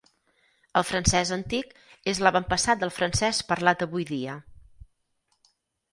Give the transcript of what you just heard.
El francès antic és l'avantpassat del francès parlat avui dia.